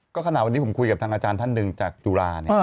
ก็ขณะวันนี้ผมคุยกับทางอาจารย์ท่านหนึ่งจากจุฬา